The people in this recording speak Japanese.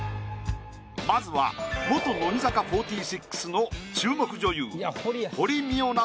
まずは元乃木坂４６の注目女優。